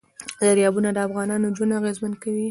دریابونه د افغانانو ژوند اغېزمن کوي.